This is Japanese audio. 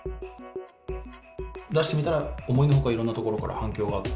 出してみたら思いのほかいろんなところから反響があって。